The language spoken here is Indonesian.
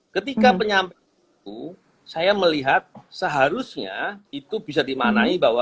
ketika penyampaian itu saya melihat seharusnya itu bisa dimaknai bahwa